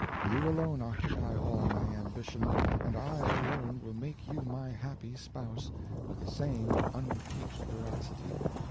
You alone occupy all my ambition, and I alone will make you my happy spouse, with the same unimpeached veracity.